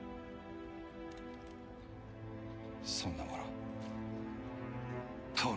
そんなものとう